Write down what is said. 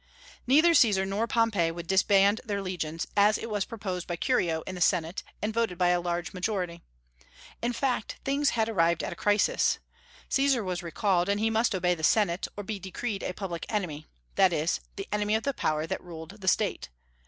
Neither Caesar nor Pompey would disband their legions, as it was proposed by Curio in the Senate and voted by a large majority. In fact, things had arrived at a crisis: Caesar was recalled, and he must obey the Senate, or be decreed a public enemy; that is, the enemy of the power that ruled the State.